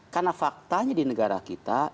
karena faktanya di negara kita